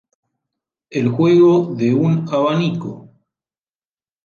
El juego de un abanico.